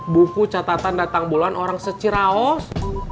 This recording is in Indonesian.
buku catatan datang bulan orang seciraos